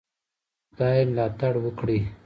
خدای ملاتړ وکړی.